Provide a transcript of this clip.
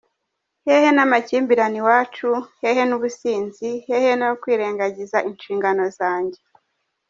Hehe n’amakimbirane iwacu, hehe n’ubusinzi, hehe no kwirengangiza inshingano zanjye.